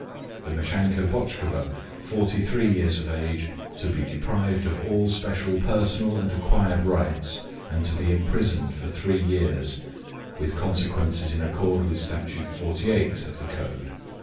The meschanka Botchkova, 43 years of age, to be deprived of all special personal and acquired rights, and to be imprisoned for three years with consequences in accord with Statute 48 of the code.